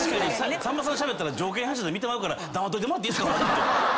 さんまさんしゃべったら条件反射で見てまうから黙っといてもらっていいですか